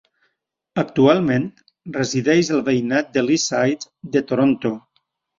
Actualment, resideix al veïnat de Leaside de Toronto.